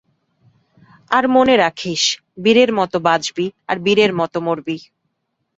আর মনে রাখিস, বীরের মতো বাঁচবি, আর বীরের মতো মরবি।